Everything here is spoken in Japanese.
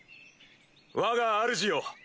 わがあるじよ！